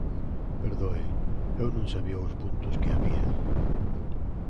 Perdoe, eu non sabía os puntos que había.